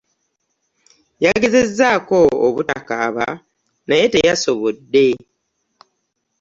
Yagezzezako obutakaaba naye teyasobodde.